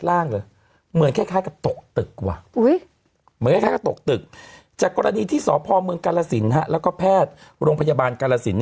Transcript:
ล่างแค่คล้ายกับตกตึกจากกรณีที่สพมกาลสินแล้วแพทย์ลงพยาบาลกาลสิน